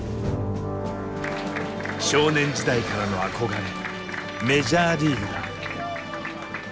少年時代からの憧れメジャーリーグだ。